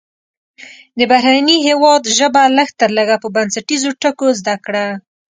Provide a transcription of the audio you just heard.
د بهرني هیواد ژبه لږ تر لږه په بنسټیزو ټکو زده کړه.